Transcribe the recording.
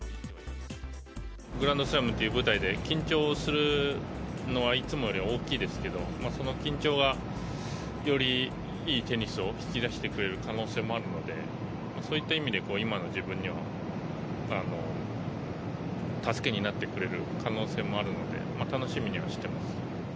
グランドスラムという舞台で、緊張するのはいつもよりは大きいですけど、その緊張が、よりいいテニスを引き出してくれる可能性もあるので、そういった意味で今の自分には、助けになってくれる可能性もあるので、楽しみにはしてます。